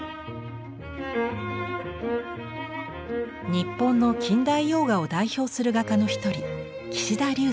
日本の近代洋画を代表する画家の一人岸田劉生。